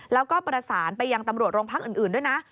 แล้วก็ประสานไปยังตำรวจโรงพักอื่นด้วยนะ